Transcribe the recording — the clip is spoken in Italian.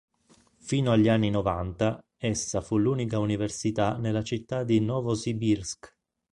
Fino agli anni novanta essa fu l'unica università nella città di Novosibirsk.